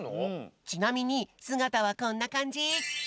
ちなみにすがたはこんなかんじ。